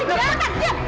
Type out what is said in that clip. ini zairah kasih aku